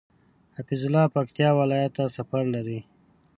حفيظ الله پکتيا ولايت ته سفر لري